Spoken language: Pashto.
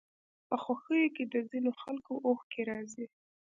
په خوښيو کې د ځينو خلکو اوښکې راځي.